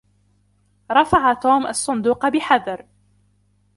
رفع توم الصندوق بحذر.